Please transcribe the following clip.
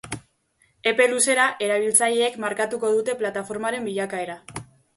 Epe luzera, erabiltzaileek markatuko dute plataformaren bilakaera.